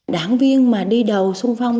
đảng viên mà đi đầu sung phong